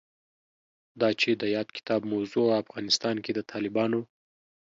دا چې د یاد کتاب موضوع افغانستان کې د طالبانو